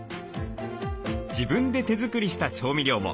自分で手作りした調味料も。